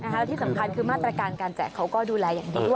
แล้วที่สำคัญคือมาตรการการแจกเขาก็ดูแลอย่างดีด้วย